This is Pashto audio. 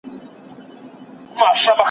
که برس وي نو لاسونه نه رنګیږي.